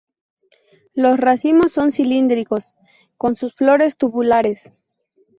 Los racimos son cilíndricos con sus flores tubulares.